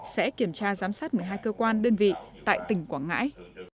sẽ kiểm tra giám sát một mươi hai cơ quan đơn vị tại tỉnh quảng ngãi